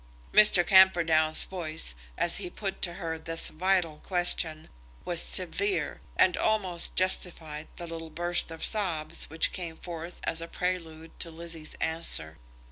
Mr. Camperdown's voice, as he put to her this vital question, was severe, and almost justified the little burst of sobs which came forth as a prelude to Lizzie's answer.